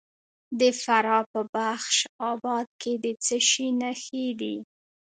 د فراه په بخش اباد کې د څه شي نښې دي؟